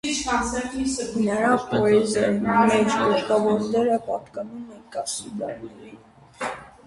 Նրա պոեզիայի մեջ գլխավոր դերը պատկանում է կասիդաներին։